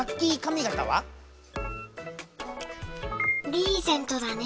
リーゼントだね。